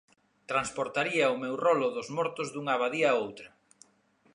Transportaría o meu rolo dos mortos dunha abadía a outra.